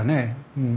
うん。